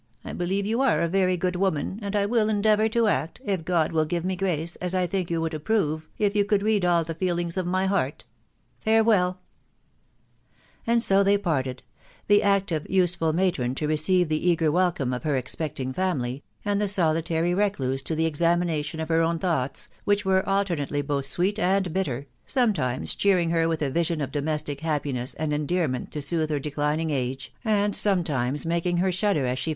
... I believe you are a very good woman, and I will endeavour to act, if God will give me grace, as I think you would approve, if you could read all the feelings of my heart. Farewell !" And so they parted ; the active, useful matron to receive the eager welcome of her expecting family, and the solitary recluse to the examination of her own thoughts, which were alter nately both sweet and bitter, sometimes cheering her with a vision of domestic happiness and endearment to soothe her declining age, and sometimes making her shudder as she.